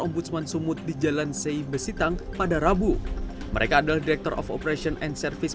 ombudsman sumut di jalan sei besitang pada rabu mereka adalah direktur of operation and service